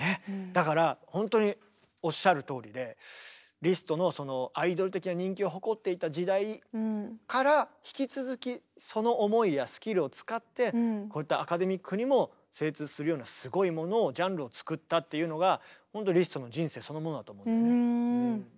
だから本当におっしゃるとおりでリストのアイドル的な人気を誇っていた時代から引き続きその思いやスキルを使ってこういったアカデミックにも精通するようなすごいものをジャンルを作ったっていうのが本当リストの人生そのものだと思うんだよね。